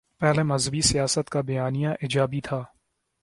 پہلے مذہبی سیاست کا بیانیہ ایجابی تھا۔